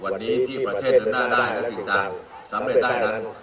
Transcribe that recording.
วันนี้ที่ประเทศเดินหน้าได้และติดตามสำเร็จได้นั้น